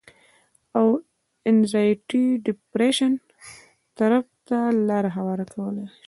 او انزائټي ډپرېشن طرف ته لار کولاو شي